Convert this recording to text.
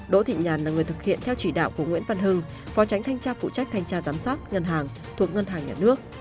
đỗ thị nhàn là người thực hiện theo chỉ đạo của nguyễn văn hưng phó tránh thanh tra phụ trách thanh tra giám sát ngân hàng thuộc ngân hàng nhà nước